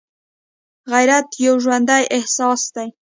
غیرت یو ژوندی احساس دی